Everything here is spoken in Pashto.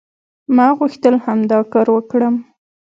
ما غوښتل همدا کار وکړم".